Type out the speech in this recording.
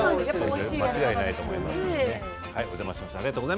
間違いないと思います。